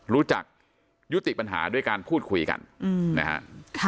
รู้จักยุติปัญหาด้วยการพูดคุยกันนะฮะ